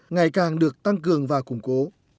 ngày càng được tăng cường và củng cố